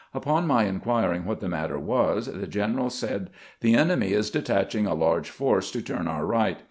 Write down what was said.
Upon my inquiring what the matter was, the general said :" The enemy is detaching a large force to turn our right.